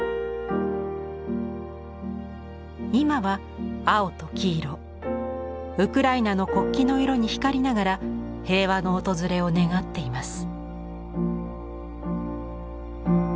今は青と黄色ウクライナの国旗の色に光りながら平和の訪れを願っています。